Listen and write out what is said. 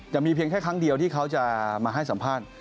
จะมีเพียงแค่ครั้งเดียวที่เขาจะมาให้สัมภาษณ์